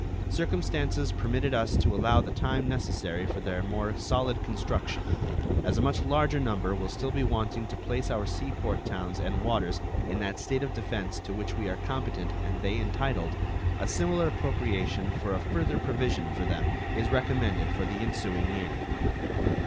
Circumstances permitted us to allow the time necessary for their more solid construction. As a much larger number will still be wanting to place our sea port towns and waters in that state of defense to which we are competent and they entitled, a similar appropriation for a further provision for them is recommended for the ensuing year.